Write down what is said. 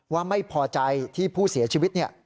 ว่าไม่พอใจที่ผู้เสียชีวิต